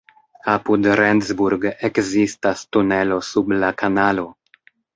Apud Rendsburg ekzistas tunelo sub la kanalo.